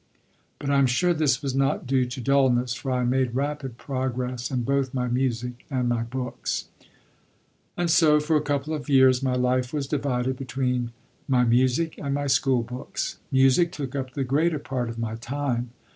But I am sure this was not due to dullness, for I made rapid progress in both my music and my books. And so for a couple of years my life was divided between my music and my school books. Music took up the greater part of my time.